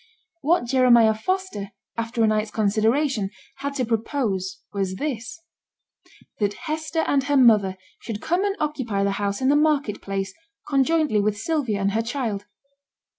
What Jeremiah Foster, after a night's consideration, had to propose was this; that Hester and her mother should come and occupy the house in the market place, conjointly with Sylvia and her child.